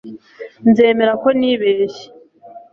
nzemera ko nibeshye